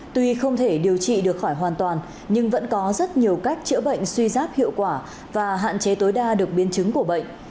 tuy không thể điều trị được khỏi hoàn toàn nhưng vẫn có rất nhiều cách chữa bệnh suy giáp hiệu quả và hạn chế tối đa được biến chứng của bệnh